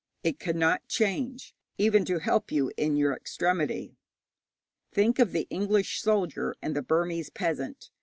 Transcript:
It cannot change even to help you in your extremity. Think of the English soldier and the Burmese peasant.